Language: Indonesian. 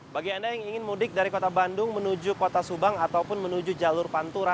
bagi anda yang ingin mudik dari kota bandung menuju kota subang ataupun menuju jalur pantura